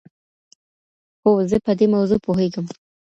هو زه په دې موضوع پوهېږم.